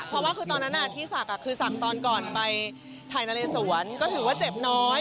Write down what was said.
เพราะว่าคือตอนนั้นที่ศักดิ์คือศักดิ์ตอนก่อนไปถ่ายนาเลสวนก็ถือว่าเจ็บน้อย